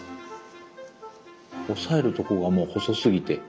押さえるところがもう細すぎて。